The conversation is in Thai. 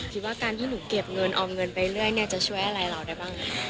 คิดว่าการที่หนูเก็บเงินออมเงินไปเรื่อยเนี่ยจะช่วยอะไรเราได้บ้าง